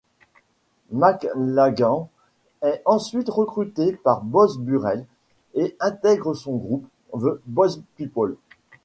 McLagan est ensuite recruté par Boz Burrell et intègre son groupe, The Boz People.